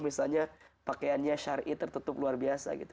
misalnya pakaiannya syari'i tertutup luar biasa gitu